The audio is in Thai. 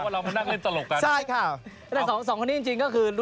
ถ้าทางจะอดนอนนะเราเนี่ย